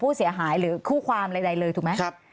ผู้เสียหายหรือคู่ความใดเลยถูกไหม